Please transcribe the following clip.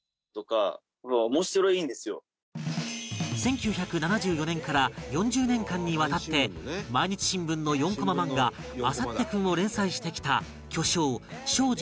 １９７４年から４０年間にわたって『毎日新聞』の４コマ漫画『アサッテ君』を連載してきた巨匠東海林